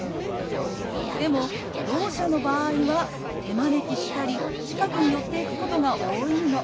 でもろう者の場合は手招きしたり近くに寄っていくことが多いの。